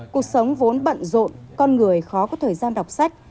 cuộc sống vốn bận rộn con người khó có thời gian đọc sách